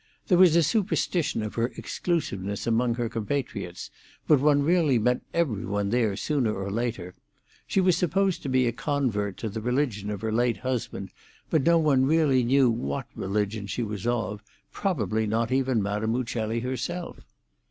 There was a superstition of her exclusiveness among her compatriots, but one really met every one there sooner or later; she was supposed to be a convert to the religion of her late husband, but no one really knew what religion she was of, probably not even Madame Uccelli herself.